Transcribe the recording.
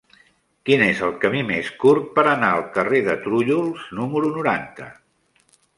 Quin és el camí més curt per anar al carrer de Trullols número noranta?